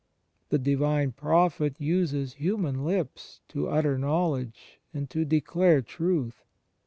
The Divine Prophet uses hiunan lips to "utter knowledge," and to declare truth.